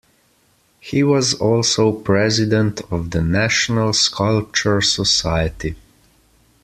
He was also president of the National Sculpture Society.